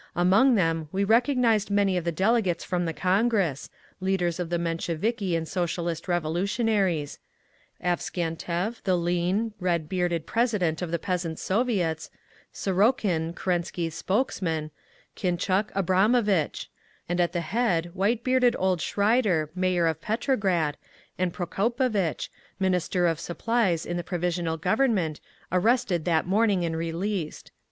Among them we recognised many of the delegates from the Congress, leaders of the Mensheviki and Socialist Revolutionaries; Avksentiev, the lean, red bearded president of the Peasants' Soviets, Sarokin, Kerensky's spokesman, Khintchuk, Abramovitch; and at the head white bearded old Schreider, Mayor of Petrograd, and Prokopovitch, Minister of Supplies in the Provisional Government, arrested that morning and released.